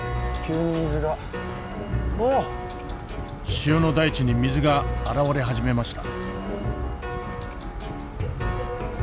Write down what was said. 塩の大地に水が現れ始めました。